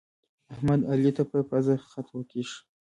احمد، علي ته په پزه خط وکيښ.